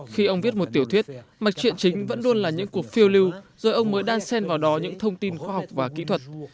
khi ông viết một tiểu thuyết mạch truyện chính vẫn luôn là những cuộc phiêu lưu rồi ông mới đan sen vào đó những thông tin khoa học và kỹ thuật